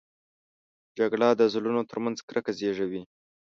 جګړه د زړونو تر منځ کرکه زېږوي